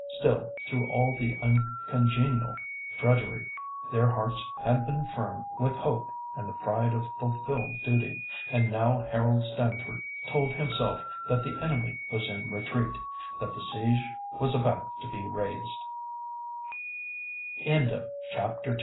Still, through all the uncongenial drudgery, their hearts had been firm with hope and the pride of fulfilled duty. And now Harold Stamford told himself that the enemy was in retreat, that the siege was about to be raised. CHAPTER III Mr.